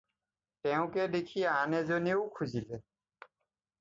তেওঁকে দেখি আন এজনেও খুজিলে।